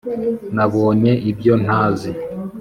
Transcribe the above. nabonye ibyo ntazi